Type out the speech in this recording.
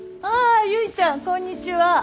ああ結ちゃんこんにちは。